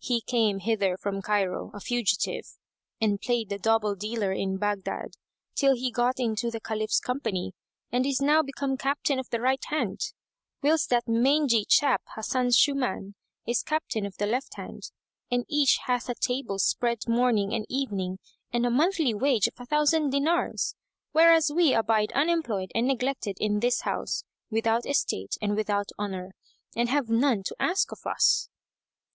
He came hither from Cairo, a fugitive, and played the double dealer in Baghdad, till he got into the Caliph's company and is now become captain of the right hand, whilst that mangy chap Hasan Shuman is captain of the left hand, and each hath a table spread morning and evening and a monthly wage of a thousand dinars; whereas we abide unemployed and neglected in this house, without estate and without honour, and have none to ask of us."